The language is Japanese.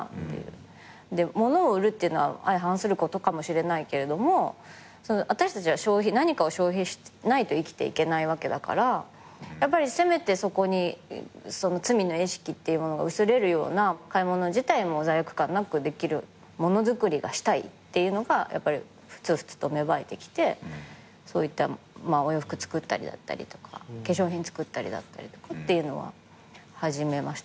物を売るっていうのは相反することかもしれないけど私たちは消費何かを消費しないと生きていけないわけだからやっぱりせめてそこに罪の意識っていうものが薄れるような買い物自体も罪悪感なくできる物作りがしたいっていうのがふつふつと芽生えてきてそういったお洋服作ったりだったりとか化粧品作ったりだったりとかっていうのは始めましたね。